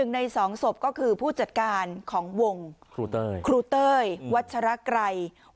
ใน๒ศพก็คือผู้จัดการของวงครูเต้ยวัชรไกร